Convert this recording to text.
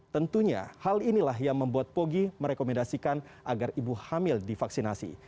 tentunya hal inilah yang membuat pogi merekomendasikan agar ibu hamil divaksinasi